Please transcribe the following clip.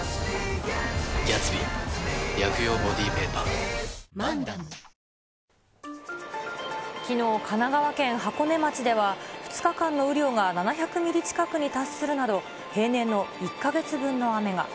さらに、神奈川県でも記録的な大きのう、神奈川県箱根町では、２日間の雨量が７００ミリ近くに達するなど、平年の１か月分の雨が。